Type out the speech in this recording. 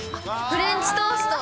フレンチトースト？